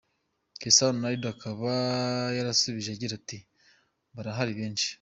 Cristiano Ronaldo akaba yarasubije agira ati :”Barahari benshi.